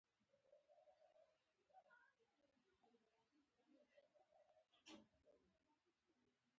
له اکا سره مې هره جمعه خبرې کولې.